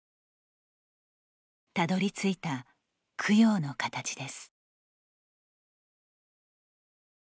たどりついた供養の形です。